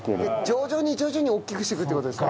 徐々に徐々に大きくしてくって事ですか。